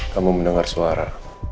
kamu mendengar suara